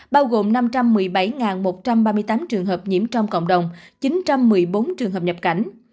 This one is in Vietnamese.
bao gồm năm trăm một mươi bảy một trăm ba mươi tám trường hợp nhiễm trong cộng đồng chín trăm một mươi bốn trường hợp nhập cảnh